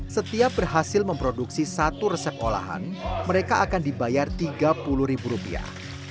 setiap berhasil memproduksi satu resep olahan mereka akan dibayar tiga puluh ribu rupiah